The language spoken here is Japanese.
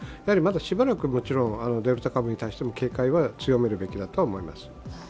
しばらくもちろん、デルタ株に対しても警戒をするべきだと思います。